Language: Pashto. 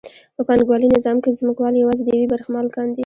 په پانګوالي نظام کې ځمکوال یوازې د یوې برخې مالکان دي